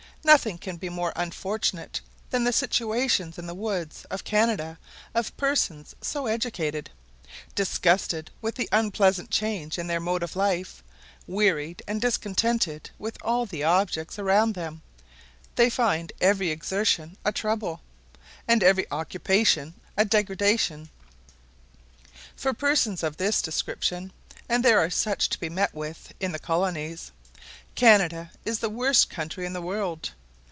Nothing can be more unfortunate than the situations in the woods of Canada of persons so educated: disgusted with the unpleasant change in their mode of life, wearied and discontented with all the objects around them, they find every exertion a trouble, and every occupation a degradation. For persons of this description (and there are such to be met with in the colonies), Canada is the worst country in the world.